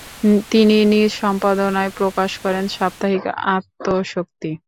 তিনি নিজ সম্পাদনায় প্রকাশ করেন সাপ্তাহিক আত্মশক্তি।